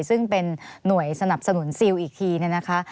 ซึ่งเป็นหน่วยสนับสนุนซิลอีกทีเนี่ยนะคะ